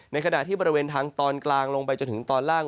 ขณะที่บริเวณทางตอนกลางลงไปจนถึงตอนล่าง